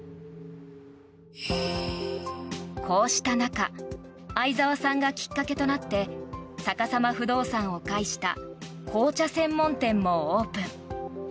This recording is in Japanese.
こうした中あいざわさんがきっかけとなってさかさま不動産を介した紅茶専門店もオープン。